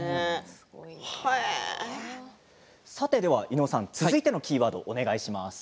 さて伊野尾さん、続いてのキーワードをお願いします。